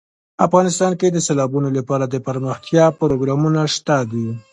افغانستان کې د سیلابونو لپاره دپرمختیا پروګرامونه شته دي.